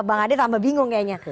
bang ade tambah bingung kayaknya